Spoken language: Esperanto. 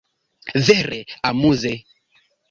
Vere amuze!